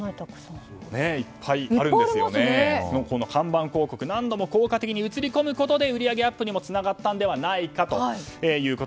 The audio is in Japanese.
いっぱいあるんですがこの看板広告何度も効果的に映り込むことで売り上げアップにつながったのではないかと。